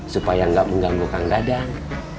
supaya nggak mengganggu kang dadang